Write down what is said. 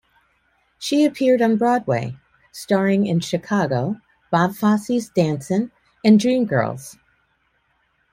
She appeared on Broadway, starring in "Chicago", Bob Fosse's "Dancin", and "Dreamgirls".